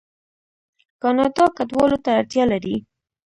کاناډا کډوالو ته اړتیا لري.